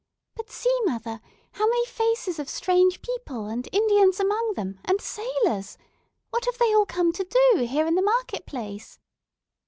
But see, mother, how many faces of strange people, and Indians among them, and sailors! What have they all come to do, here in the market place?"